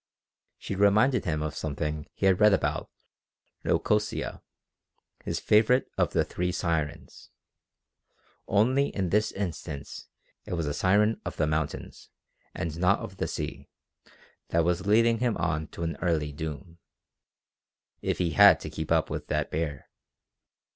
She reminded him of something he had read about Leucosia, his favorite of the "Three Sirens," only in this instance it was a siren of the mountains and not of the sea that was leading him on to an early doom if he had to keep up with that bear!